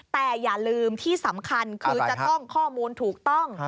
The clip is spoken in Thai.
แต่อย่าลืมที่สำคัญคือจะต้องข้อมูลถูกต้อง